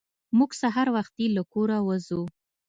موږ سهار وختي له کوره وځو.